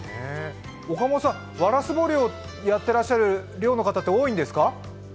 岡本さん、ワラスボ漁やってらっしゃる方って多いんですか？